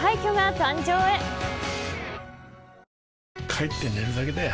帰って寝るだけだよ